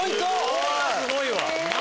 すごいわ！